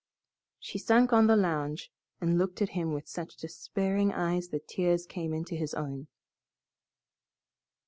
She sunk on the lounge and looked at him with such despairing eyes that tears came into his own.